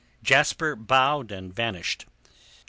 Jasper bowed and vanished.